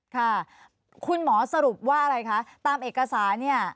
ค่ะคุณหมอสรุปว่าอะไรคะตามเอกสารเนี่ย